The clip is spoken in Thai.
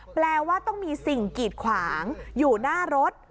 แปลว่าต้องมีสิ่งกีดขวางอยู่หน้ารถ